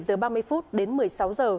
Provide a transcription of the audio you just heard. từ ngày một mươi tám đến hai mươi tháng sáu